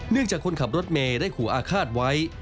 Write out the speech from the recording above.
จากคนขับรถเมย์ได้ขู่อาฆาตไว้